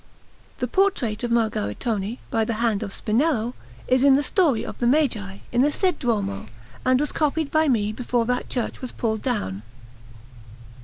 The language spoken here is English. The portrait of Margaritone, by the hand of Spinello, is in the Story of the Magi, in the said Duomo, and was copied by me before that church was pulled down.